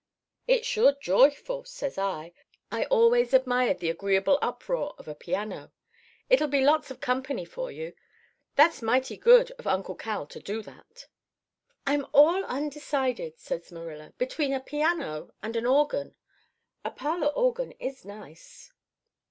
"'It's sure joyful,' says I. 'I always admired the agreeable uproar of a piano. It'll be lots of company for you. That's mighty good of Uncle Cal to do that.' "'I'm all undecided,' says Marilla, 'between a piano and an organ. A parlour organ is nice.